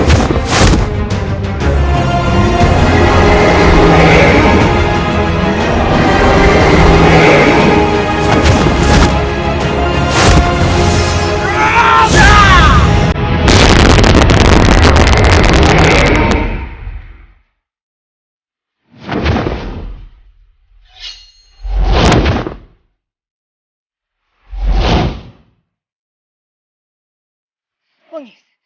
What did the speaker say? kau tak bisa menang